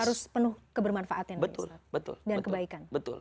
harus penuh kebermanfaatan dan kebaikan